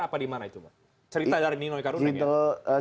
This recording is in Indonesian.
apa di mana itu cerita dari nino ika rundeng ya